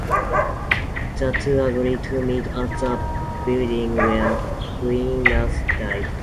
The two agree to meet at the building where Queenan died.